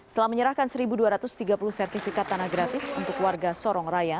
setelah menyerahkan satu dua ratus tiga puluh sertifikat tanah gratis untuk warga sorong raya